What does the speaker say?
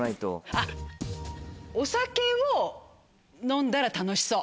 あっお酒を飲んだら楽しそう。